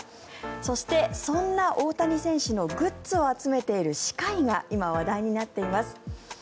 そしてそんな大谷選手のグッズを集めている歯科医が今、話題になっています。